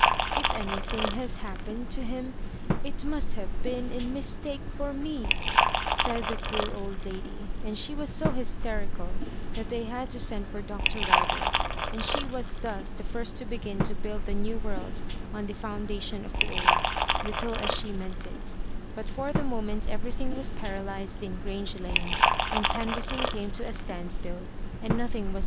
If anything has happened to him it must have been in mistake for me," said the poor old lady, and she was so hysterical that they had to send for Dr. Rider, and she was thus the first to begin to build the new world on the foundation of the old, little as she meant it But for the moment everything was paralysed in Grange Lane, and canvassing came to a standstill, and nothing was